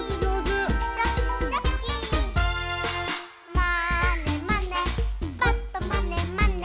「まーねまねぱっとまねまね」